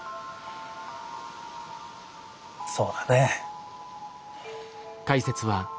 そうだね。